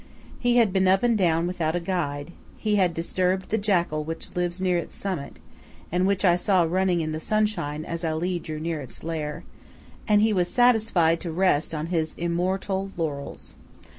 He had been up and down without a guide; he had disturbed the jackal which lives near its summit, and which I saw running in the sunshine as Ali drew near its lair, and he was satisfied to rest on his immortal laurels.